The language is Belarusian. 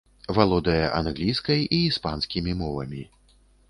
Валодае англійскай і іспанскімі мовамі.